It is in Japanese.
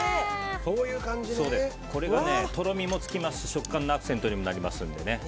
これがとろみもつきますし食感のアクセントにもなります。